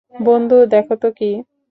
বন্ধু, দেখতো কী।